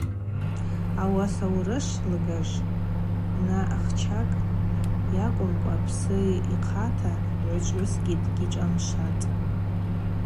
Ауаса аурышв лыгажв бнахчакӏ йакӏвымкӏва, псы йхъата гӏвычӏвгӏвыскӏгьи дгьишӏамшватӏ.